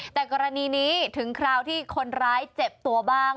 แต่กรณีนี้ถึงคราวที่คนร้ายเจ็บตัวบ้าง